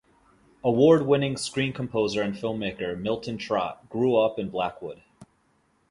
Award-winning screen composer and filmmaker Milton Trott grew up in Blackwood.